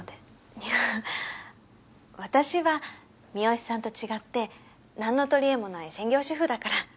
いや私は三好さんと違って何の取り柄もない専業主婦だから。